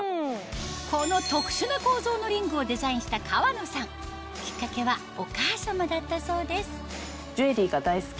この特殊な構造のリングをデザインした河野さんきっかけはお母さまだったそうです